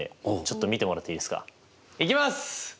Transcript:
いきます！